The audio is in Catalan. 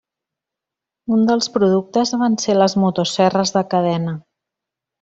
Un dels productes van ser les motoserres de cadena.